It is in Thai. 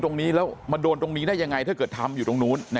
ตรงนี้แล้วมาโดนตรงนี้ได้ยังไงถ้าเกิดทำอยู่ตรงนู้น